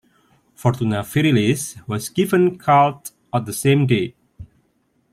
Fortuna Virilis was given cult on the same day.